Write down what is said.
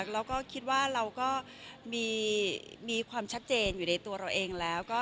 แล้วก็คิดว่าเราก็มีความชัดเจนอยู่ในตัวเราเองแล้ว